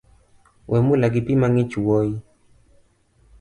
Wemula gipi mang’ich wuoyi